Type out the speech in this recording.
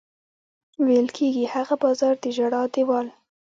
ویل کېږي هغه بازار د ژړا دېوال.